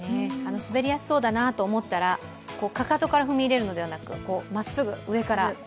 滑りやすそうだなと思ったら、かかとから踏み出るのではなくまっすぐ上から。